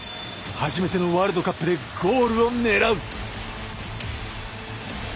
初めてのワールドカップでゴールを狙う。